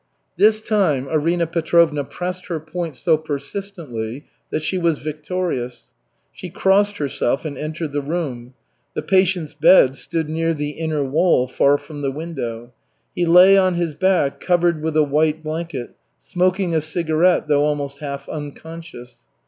This time Arina Petrovna pressed her point so persistently that she was victorious. She crossed herself and entered the room. The patient's bed stood near the inner wall far from the window. He lay on his back, covered with a white blanket, smoking a cigarette, though almost half unconscious.